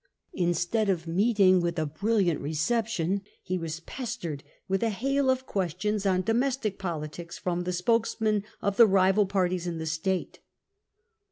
Instead of meeting with a brilliant reception, he was pestered with a hail of questions on domestic politics from the spokesmen of the rival parties in the state.